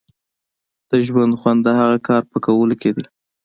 د ژوند خوند د هغه کار په کولو کې دی.